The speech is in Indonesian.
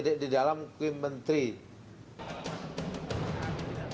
tidak di dalam kemuliaan